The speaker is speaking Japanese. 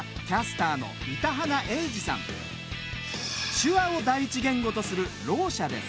手話を第一言語とするろう者です。